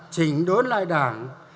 trình đốn lại đảng